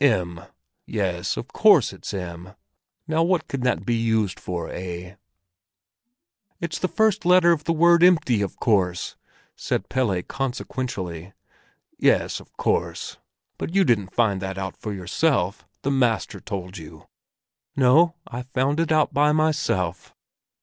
M, yes—of course it's M! Now what can that be used for, eh?" "It's the first letter in the word 'empty,' of course!" said Pelle consequentially. "Yes, of course! But you didn't find that out for yourself; the master told you." "No, I found it out by myself."